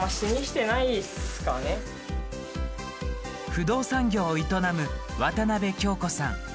不動産業を営む渡邊享子さん。